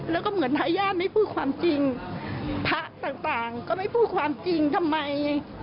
แล้วก็เหมือนทายาทไม่พูดความจริงพระต่างต่างก็ไม่พูดความจริงทำไม